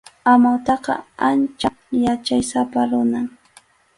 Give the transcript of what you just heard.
Amawtaqa ancha yachaysapa runam.